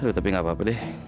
aduh tapi nggak apa apa deh